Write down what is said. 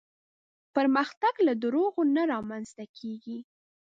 پرمختګ له دروغو نه رامنځته کېږي.